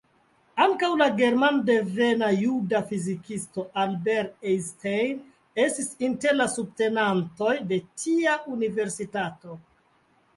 Ankaŭ la germandevena juda fizikisto Albert Einstein estis inter la subtenantoj de tia universitato.